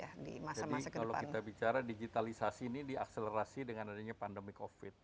jadi kalau kita bicara digitalisasi ini diakselerasi dengan adanya pandemic covid